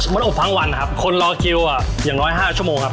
มันอบทั้งวันนะครับคนรอคิวอ่ะอย่างน้อย๕ชั่วโมงครับ